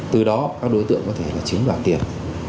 từ đó các đối tượng có thể là chiếm đoạt tiền